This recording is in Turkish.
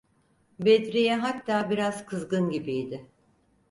Bedri’ye hatta biraz kızgın gibiydi.